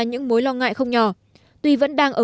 ngại không nhỏ tuy vẫn đang ở